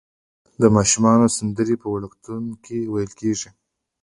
د ماشومانو سندرې په وړکتون کې ویل کیږي.